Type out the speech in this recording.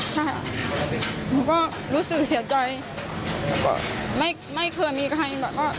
ค่ะหนูก็รู้สึกเสียใจไม่ไม่เคยมีใครแบบว่า